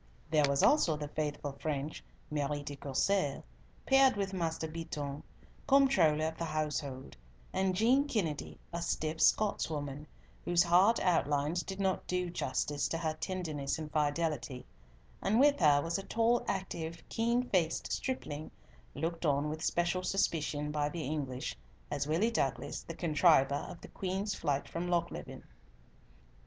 There was also the faithful French Marie de Courcelles, paired with Master Beatoun, comptroller of the household, and Jean Kennedy, a stiff Scotswoman, whose hard outlines did not do justice to her tenderness and fidelity, and with her was a tall, active, keen faced stripling, looked on with special suspicion by the English, as Willie Douglas, the contriver of the Queen's flight from Lochleven.